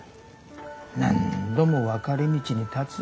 何度も分かれ道に立つ。